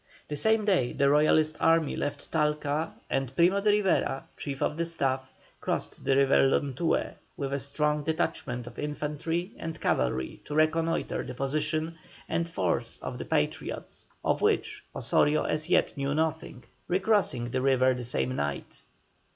The same day the Royalist army left Talca, and Primo de Rivera, chief of the staff, crossed the river Lontué with a strong detachment of infantry and cavalry to reconnoitre the position and force of the Patriots, of which Osorio as yet knew nothing, recrossing the river the same night.